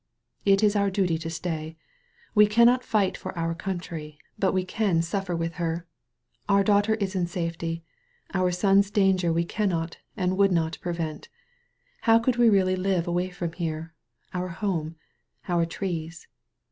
"It is our duty to stay. We cannot fight for our country, but we can suffer with her. Our daughter is in safety; our son's danger we cannot and would not prevent. How could we really live away from here, our home, our trees?